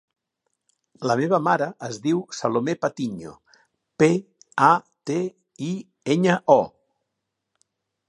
La meva mare es diu Salomé Patiño: pe, a, te, i, enya, o.